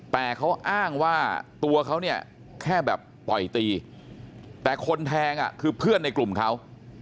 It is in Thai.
แต่เขาอ้างว่าตัวเขาเนี่ยแค่แบบต่อยตีแต่คนแทงคือเพื่อนในกลุ่มเขา